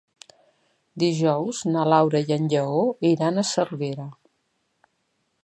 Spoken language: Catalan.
Dijous na Laura i en Lleó iran a Cervera.